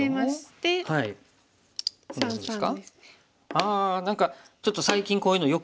あ何かちょっと最近こういうのよく見ますが。